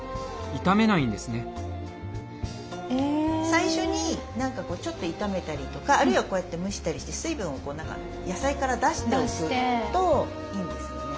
最初にちょっと炒めたりとかあるいはこうやって蒸したりして水分を野菜から出しておくといいんですよね。